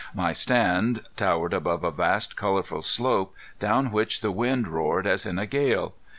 My stand towered above a vast colorful slope down which the wind roared as in a gale.